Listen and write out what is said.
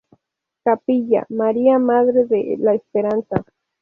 Capilla: "María Madre de la Esperanza".